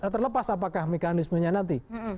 terlepas apakah mekanismenya nanti